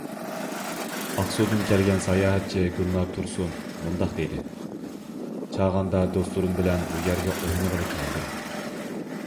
ئاقسۇدىن كەلگەن ساياھەتچى گۈلنار تۇرسۇن مۇنداق دېدى: چاغاندا دوستلىرىم بىلەن بۇ يەرگە ئوينىغىلى كەلدىم.